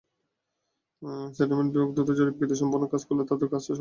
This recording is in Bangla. সেটেলমেন্ট বিভাগ দ্রুত জরিপকাজ সম্পন্ন করলে তখন কাজ করাটা সহজ হবে।